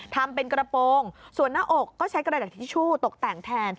ทำเป็นกระโปรงส่วนหน้าอกก็ใช้กระดาษทิชชู่ตกแต่งแทน